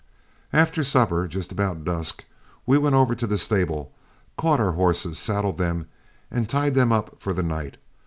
After supper, just about dusk, we went over to the stable, caught our horses, saddled them, and tied them up for the night.